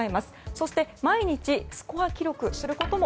そして毎日スコア記録することも